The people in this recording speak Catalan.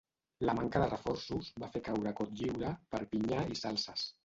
La manca de reforços va fer caure Cotlliure, Perpinyà i Salses.